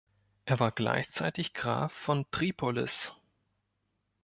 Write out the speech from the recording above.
Er war gleichzeitig Graf von Tripolis.